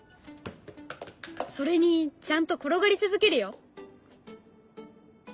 それにちゃんと転がり続けるよ。